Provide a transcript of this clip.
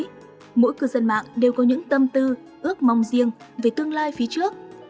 năm mới mỗi cư dân mạng đều có những tâm tư ước mong riêng về tương lai phía trước